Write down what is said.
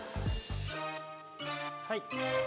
はい！